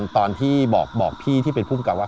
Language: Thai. ตอนที่บอกพี่ที่เป็นผู้กำกับว่า